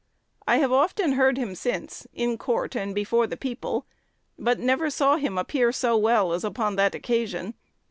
I have often heard him since, in court and before the people, but never saw him appear so well as upon that occasion.